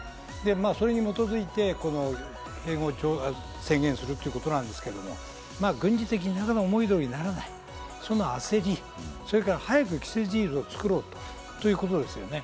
それに基づいて併合を宣言するということなんですけど、軍事的になかなか思い通りにならないという焦り、早く既成事実を作ろうということですね。